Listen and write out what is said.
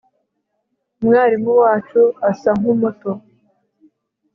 umwarimu wacu asa nkumuto